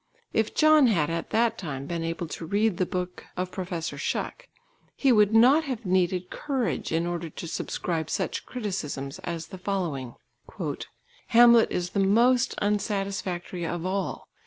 If John had at that time been able to read the book of Professor Shuck, he would not have needed courage in order to subscribe such criticisms as the following: "Hamlet is the most unsatisfactory of all